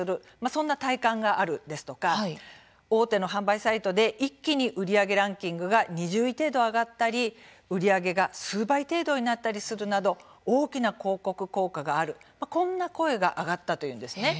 そんな体感がある、ですとか大手の販売サイトで一気に売り上げランキングが２０位程度上がったり売り上げが数倍程度になったりするなど大きな広告効果があるこんな声が上がったというんです。